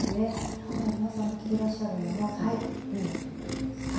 今丹羽さんが着てらっしゃるのがそのリネンということですよね。